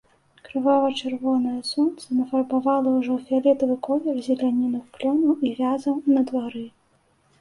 Крывава-чырвонае сонца нафарбавала ўжо ў фіялетавы колер зеляніну клёнаў і вязаў на двары.